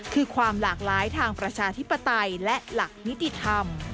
คือความหลากหลายทางประชาธิปไตยและหลักนิติธรรม